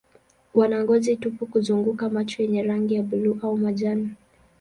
Wana ngozi tupu kuzunguka macho yenye rangi ya buluu au majani.